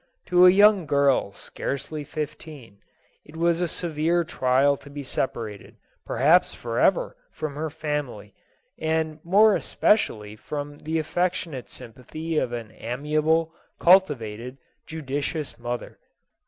To a young girl scarcely fifteen, JOSEPHINE. it was a severe trial to be separated, perhaps forever, from her family, and more especially from the affec tionate sympathy of an amiable, cultivated, judicious mother.